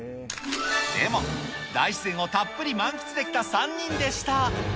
でも、大自然をたっぷり満喫できた３人でした。